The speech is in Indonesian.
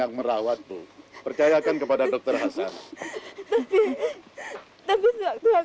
nanti bapak yang hantar